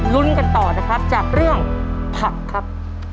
ลุ้นกันต่อนะครับจากเรื่องผักครับ